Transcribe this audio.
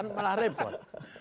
ini sudah repot